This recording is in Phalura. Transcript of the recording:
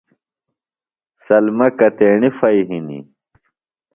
سلمی کتیݨی پھئی ہِنیۡ؟